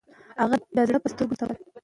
هغه د زړه په سترګو ځان ته وکتل.